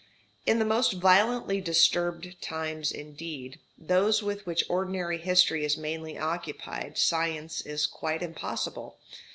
In the most violently disturbed times indeed, those with which ordinary history is mainly occupied, science is quite impossible.